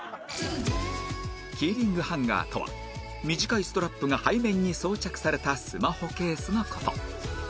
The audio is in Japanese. キーリングハンガーとは短いストラップが背面に装着されたスマホケースの事